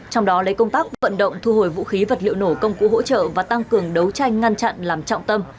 trong đó lấy công tác vận động thu hồi vũ khí vật liệu nổ công cụ hỗ trợ và tăng cường đấu tranh ngăn chặn làm trọng tâm